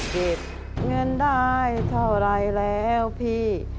เก็บเงินได้เท่าไรแล้วพี่